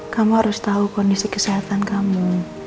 kamu harus tahu kondisi kesehatan kamu